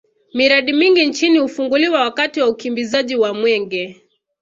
miradi mingi nchini hufunguliwa wakati wa ukimbizaji wa mwenge